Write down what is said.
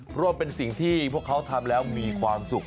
เพราะว่าเป็นสิ่งที่พวกเขาทำแล้วมีความสุข